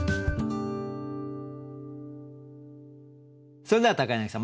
それでは柳さん